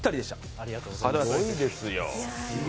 ありがとうございます。